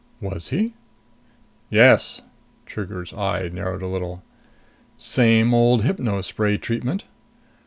"Was he?" "Yes." Trigger's eyes narrowed a little. "Same old hypno spray treatment?"